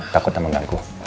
takut sama ngan ku